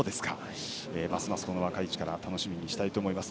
ますます若い力楽しみにしたいと思います。